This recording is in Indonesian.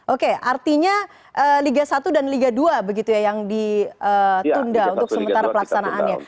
oke artinya liga satu dan liga dua begitu ya yang ditunda untuk sementara pelaksanaannya